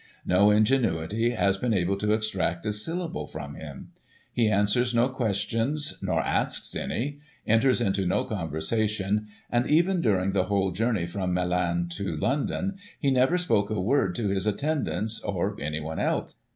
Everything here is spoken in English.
No ingenuity has been able to extract a syllable from him. He answers no questions, nor asks any — enters into no conversation — and, even during the whole journey from Milan to London, he never spoke a word to his atten dants, or any one else.